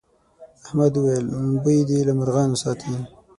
احمد وويل: بوی دې له مرغانو ساتي.